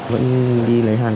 vẫn đi lấy hàng